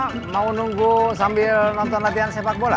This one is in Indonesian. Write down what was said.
kita mau nunggu sambil nonton latihan sepak bola